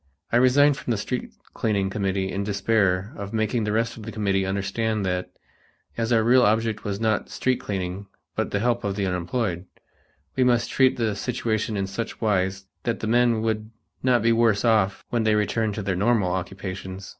I resigned from the street cleaning committee in despair of making the rest of the committee understand that, as our real object was not street cleaning but the help of the unemployed, we must treat the situation in such wise that the men would not be worse off when they returned to their normal occupations.